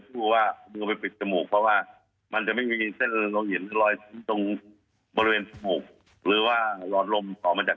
เพราะว่ามันจะไม่มีเส้นลงเห็นตรงบริเวณต่อหรือว่ารอดลมต่อมาจาก